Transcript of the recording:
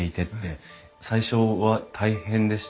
最初は大変でした？